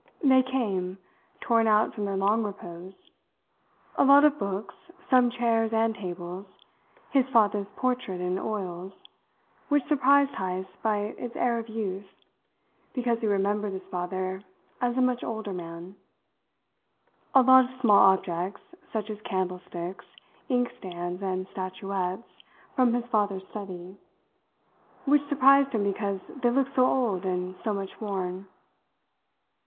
They came, torn out from their long repose a lot of books, some chairs and tables, his father's portrait in oils, which surprised Heyst by its air of youth, because he remembered his father as a much older man; a lot of small objects, such as candlesticks, inkstands, and statuettes from his father's study, which surprised him because they looked so old and so much worn.